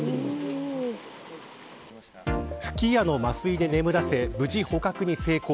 吹き矢の麻酔で眠らせ無事、捕獲に成功。